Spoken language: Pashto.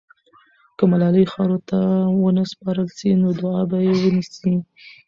که ملالۍ خاورو ته ونه سپارل سي، نو دعا به یې ونسي.